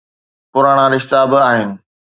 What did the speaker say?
پراڻا رشتا به آهن.